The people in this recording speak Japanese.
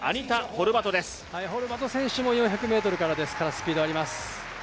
ホルバト選手も４００ｍからですからスピードがあります。